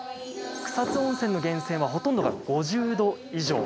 草津温泉の源泉はほとんどが５０度以上。